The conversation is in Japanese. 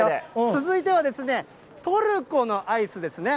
続いてはトルコのアイスですね。